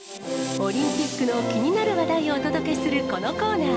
オリンピックの気になる話題をお届けするこのコーナー。